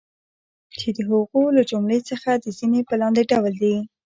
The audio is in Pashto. چی د هغو له جملی څخه د ځینی په لاندی ډول دی